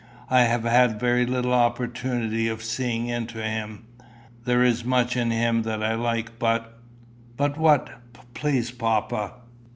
I have had very little opportunity of seeing into him. There is much in him that I like, but " "But what? please, papa."